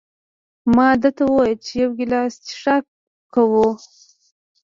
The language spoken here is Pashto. ما ده ته وویل: یو ګیلاس څښاک کوو؟